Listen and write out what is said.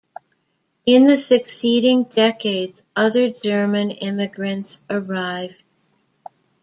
In the succeeding decades, other German immigrants arrived.